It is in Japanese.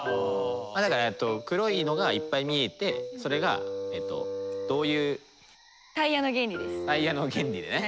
えっと黒いのがいっぱい見えてそれがタイヤの原理でね。